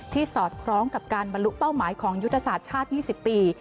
สอดคล้องกับการบรรลุเป้าหมายของยุทธศาสตร์ชาติ๒๐ปี